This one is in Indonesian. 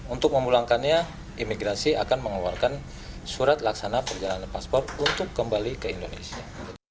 untuk memulangkannya imigrasi akan mengeluarkan surat laksana perjalanan paspor untuk kembali ke indonesia